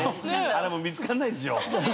あれもう見つかんないでしょ。